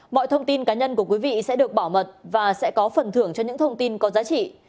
mọi thông tin cá nhân của quý vị sẽ được bảo mật và sẽ có phần thưởng cho những thông tin có giá trị